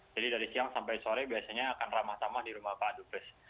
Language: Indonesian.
jadi dari siang sampai sore biasanya akan ramah tamah di rumah pak dube